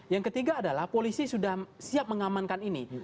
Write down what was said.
yang ketiga adalah polisi sudah siap mengamankan ini